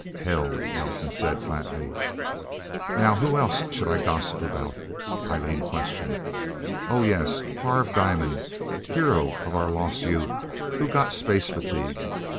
"Hell!" Nelsen said flatly. "Now who else should I gossip about?" Eileen questioned. "Oh, yes Harv Diamond, hero of our lost youth, who got space fatigue.